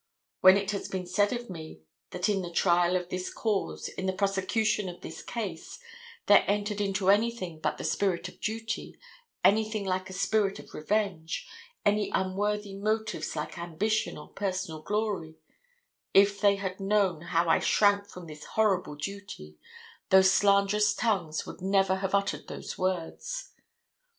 When it has been said of me that in the trial of this cause, in the prosecution of this case, there entered into it anything but the spirit of duty, anything like a spirit of revenge, any unworthy motives like ambition or personal glory, if they had known how I shrank from this horrible duty, those slanderous tongues would never have uttered those words.